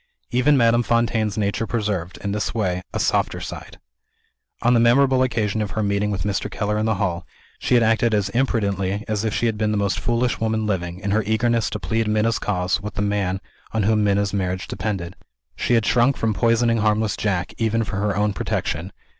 Even Madame Fontaine's nature preserved, in this way, a softer side. On the memorable occasion of her meeting with Mr. Keller in the hall, she had acted as imprudently as if she had been the most foolish woman living, in her eagerness to plead Minna's cause with the man on whom Minna's marriage depended. She had shrunk from poisoning harmless Jack, even for her own protection.